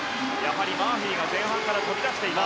マーフィーが前半から飛び出しています。